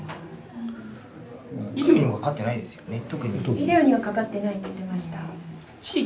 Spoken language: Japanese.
医療にはかかってないって言ってました。